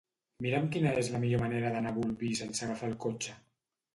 Mira'm quina és la millor manera d'anar a Bolvir sense agafar el cotxe.